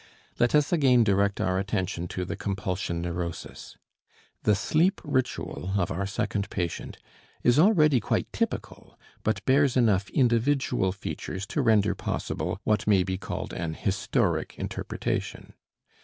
Let us again direct our attention to the compulsion neurosis. The sleep ritual of our second patient is already quite typical, but bears enough individual features to render possible what may be called an historic interpretation.